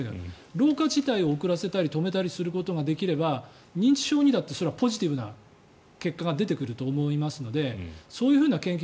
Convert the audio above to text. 老化自体を遅らせたり止めたりすることができれば認知症にだってそれはポジティブな結果が出てくると思いますのでそういう研究